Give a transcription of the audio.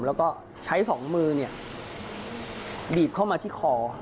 แล้วก็ใช้สองมือบีบเข้ามาที่คอ